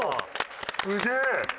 すげえ！